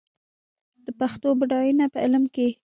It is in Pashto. د پښتو بډاینه په علم کې ده.